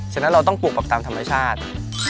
ฉะนั้นเราต้องปลูกแบบตามธรรมชาติ